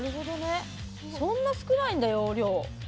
そんな少ないんだ、容量。